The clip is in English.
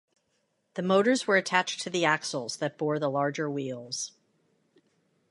The motors were attached to the axles that bore the larger wheels.